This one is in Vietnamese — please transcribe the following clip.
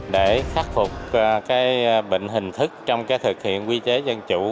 để khắc phục cái bệnh hình thức trong cái thực hiện quy chế dân chủ